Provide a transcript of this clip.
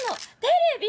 テレビ！